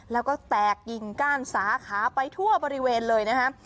แล้วก็แตกกิ่งก้านสาขาไปทั่วบริเวณเลยนะครับ